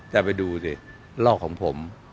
จะไปดูสิลอกของผม